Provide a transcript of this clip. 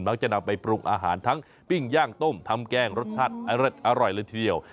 จะนำไปปรุงอาหารทั้งปิ้งย่างต้มทำแกงรสชาติอร่อยเลยทีเดียว